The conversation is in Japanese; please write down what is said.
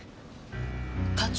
課長